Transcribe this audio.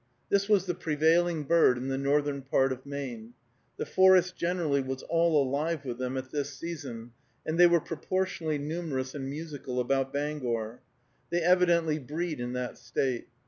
This was the prevailing bird in the northern part of Maine. The forest generally was all alive with them at this season, and they were proportionally numerous and musical about Bangor. They evidently breed in that State.